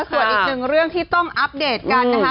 ส่วนอีกหนึ่งเรื่องที่ต้องอัปเดตกันนะคะ